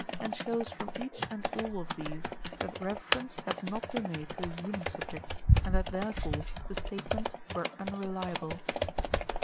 and shows from each and all of these that reference had not been made to the human subject, and that therefore the statements were unreliable.